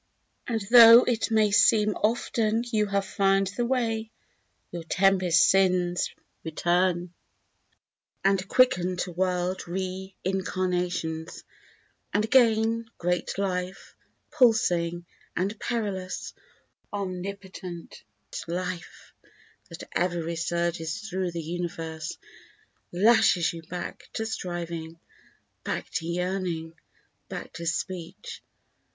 And tho it may often seem you have found the Way, Your tempest sins return and quicken to wild reincarnations, And again great life, pulsing and perilous, Omnipotent life, that ever resurges thro the universe, Lashes you back to striving, back to yearning, back to speech.